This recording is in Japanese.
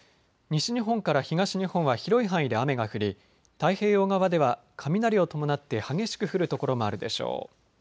西日本から東日本は広い範囲で雨が降り太平洋側では雷を伴って激しく降る所もあるでしょう。